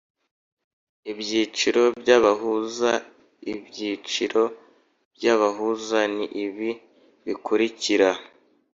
Ibyiciro by’abahuza Ibyiciro by'abahuza ni ibi bikurikira: